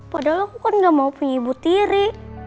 padahal aku kan gak mau punya ibu tiri